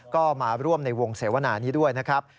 ก็มาร่วมในวงเสวนานี้ด้วยนะครับ